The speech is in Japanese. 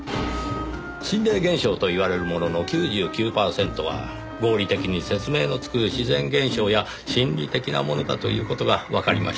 心霊現象と言われるものの９９パーセントは合理的に説明のつく自然現象や心理的なものだという事がわかりました。